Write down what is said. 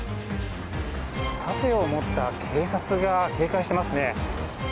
盾を持った警察が警戒していますね。